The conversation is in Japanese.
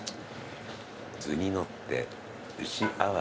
「図にのって牛鮑」。